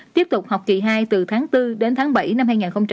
tiếp tục học kỳ hai từ tháng bốn đến tháng bảy năm hai nghìn hai mươi